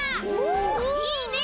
おいいね！